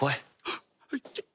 あっ。